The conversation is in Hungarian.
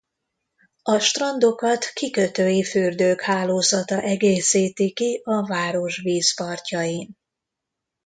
A strandokat kikötői fürdők hálózata egészíti ki a város vízpartjain.